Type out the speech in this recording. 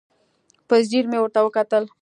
په ځیر مې ورته وکتل.